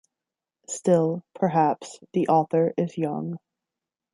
Still, perhaps, the author is young.